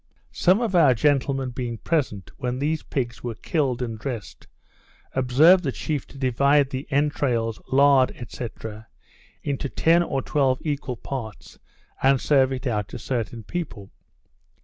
Some of our gentlemen being present when these pigs were killed and dressed, observed the chief to divide the entrails, lard, &c. into ten or twelve equal parts, and serve it out to certain people.